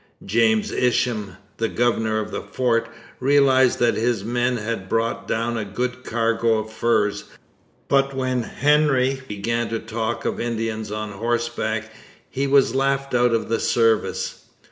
James Isham, the governor of the fort, realized that his men had brought down a good cargo of furs, but when Hendry began to talk of Indians on horseback, he was laughed out of the service.